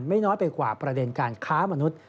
น้อยไปกว่าประเด็นการค้ามนุษย์